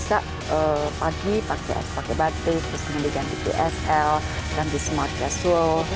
tadi pagi pagi pas ke kantor udah jadi udah di simpen di kantor sekarang